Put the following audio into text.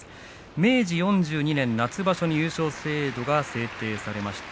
明治４２年、夏場所に優勝制度が制定されました。